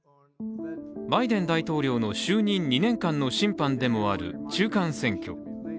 バイデン大統領の就任２年間の審判でもある中間選挙。